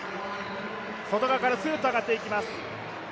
外側からすーっと上がっていきます。